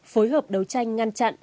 phối hợp đấu tranh ngăn chặn